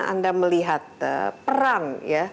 anda melihat perang